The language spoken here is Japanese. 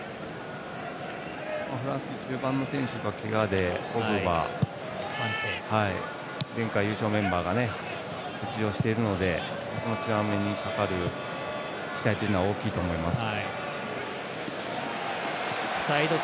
フランスの中盤の選手がけがで、ポグバ前回優勝メンバーが欠場しているのでチュアメニにかかる期待というのは大きいと思います。